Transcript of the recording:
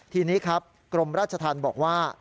ทีนี้ครับกรมราชธรรมบอกว่า